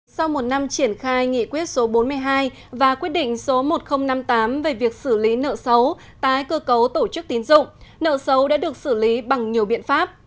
sau một năm triển khai nghị quyết số bốn mươi hai và quyết định số một nghìn năm mươi tám về việc xử lý nợ xấu tái cơ cấu tổ chức tín dụng nợ xấu đã được xử lý bằng nhiều biện pháp